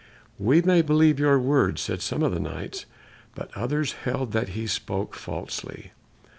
"We may believe your words," said some of the Knights, but others held that he spoke falsely.